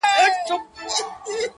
د قرآن دېرسو سېپارو ته چي سجده وکړه-